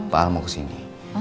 pak alma mau kesini